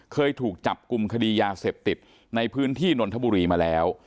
เคยถูกจับกลุ่มคดียาเสพติดในพื้นที่นนทบุรีมาแล้ว